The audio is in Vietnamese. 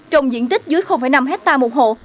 trồng diện tích dưới năm hectare một hộ